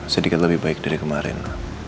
sedikit lebih baik dari kemarin